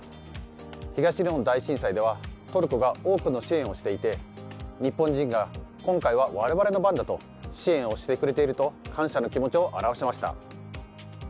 東日本大震災ではトルコが多くの支援をしていて日本人が今回は我々の番だと支援をしてくれていると感謝の気持ちを表しました。